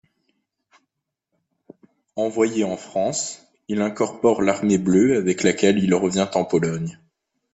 Envoyé en France il incorpore l'Armée bleue avec laquelle il revient en Pologne.